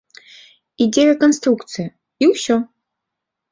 Ідзе рэканструкцыя, і ўсё.